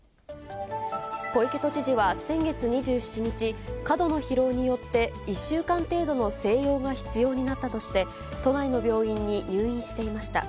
小池都知事は先月２７日、過度の疲労によって、１週間程度の静養が必要になったとして、都内の病院に入院していました。